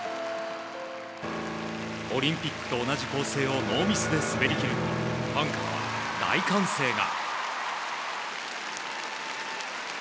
オリンピックと同じ構成をノーミスで滑りきるとファンからは大歓声が。